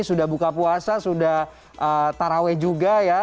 sudah buka puasa sudah taraweh juga ya